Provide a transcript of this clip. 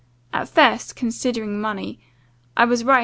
At first, considering money (I was right!"